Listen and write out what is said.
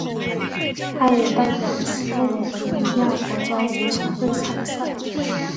他也代表斯洛文尼亚国家足球队参赛。